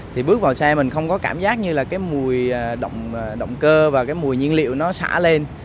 thì bước vào xe mình không có cảm giác như là cái mùi động cơ và cái mùi nhiên liệu nó xả lên